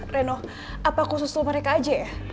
reno apa aku susul mereka aja ya